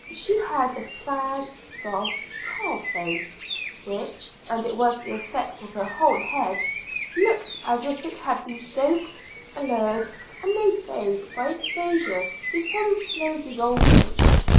She had a sad, soft, pale face, which (and it was the effect of her whole head) looked as if it had been soaked, blurred, and made vague by exposure to some slow dissolvent.